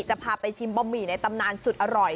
จะพาไปชิมบะหมี่ในตำนานสุดอร่อย